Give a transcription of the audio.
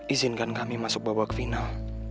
izinkan kami masuk babak final